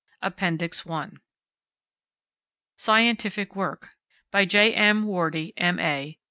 APPENDIX I SCIENTIFIC WORK By J. M. WORDIE, M.A.